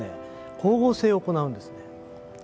光合成を行うんですね。